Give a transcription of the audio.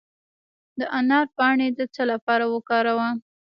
د انار پاڼې د څه لپاره وکاروم؟